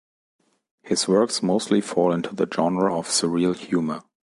His works mostly fall into the genre of surreal humor.